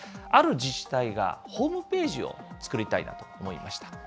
ある自治体が、ホームページを作りたいなと思いました。